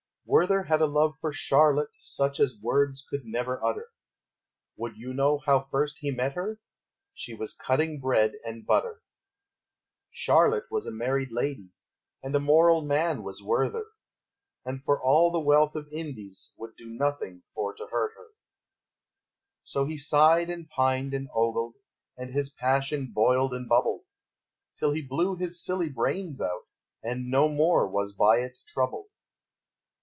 Werther had a love for Charlotte Such as words could never utter; Would you know how first he met her? She was cutting bread and butter. Charlotte was a married lady, And a moral man was Werther, And for all the wealth of Indies Would do nothing for to hurt her. So he sighed and pined and ogled, And his passion boiled and bubbled, Till he blew his silly brains out, And no more was by it troubled.